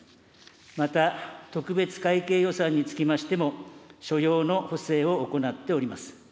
また特別会計予算につきましても、所要の補正を行っております。